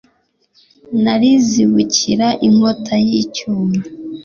nanizibukira inkota y'icyuma